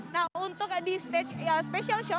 nah untuk di stage special show